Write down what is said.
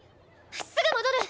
すぐ戻る！